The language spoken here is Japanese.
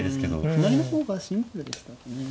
歩成りの方がシンプルでしたかね。